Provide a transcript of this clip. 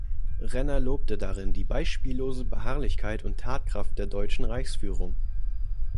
Renner lobte darin die „beispiellose Beharrlichkeit und Tatkraft der deutschen Reichsführung“.